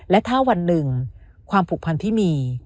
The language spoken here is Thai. และถ้าวันหนึ่งความผูกพันที่มี